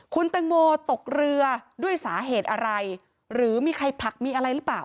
คุณตังโมตกเรือด้วยสาเหตุอะไรหรือมีใครผลักมีอะไรหรือเปล่า